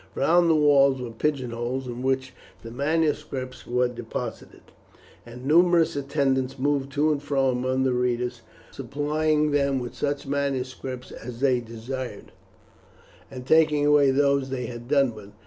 Round the walls were pigeonholes, in which the manuscripts were deposited, and numerous attendants moved to and fro among the readers, supplying them with such manuscripts as they desired, and taking away those they had done with.